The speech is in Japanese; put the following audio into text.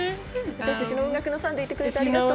私たちの音楽のファンでいてくれてありがとう。